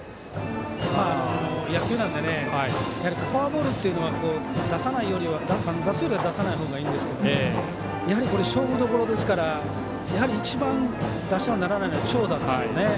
野球なのでフォアボールっていうのは出すよりは出さないほうがいいんですけどやはり、勝負どころですから一番出してはならないのは長打ですよね。